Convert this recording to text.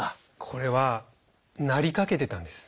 これはなりかけてたんです。